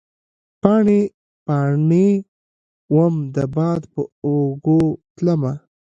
پاڼې ، پا ڼې وم د باد په اوږو تلمه